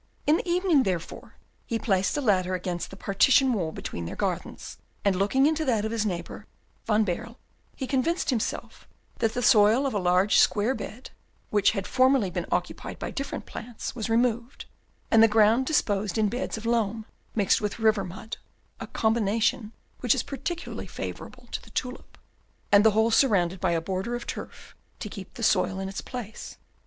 In the evening, therefore, he placed a ladder against the partition wall between their gardens, and, looking into that of his neighbour Van Baerle, he convinced himself that the soil of a large square bed, which had formerly been occupied by different plants, was removed, and the ground disposed in beds of loam mixed with river mud (a combination which is particularly favourable to the tulip), and the whole surrounded by a border of turf to keep the soil in its place.